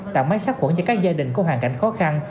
tạo máy sát khuẩn cho các gia đình có hoàn cảnh khó khăn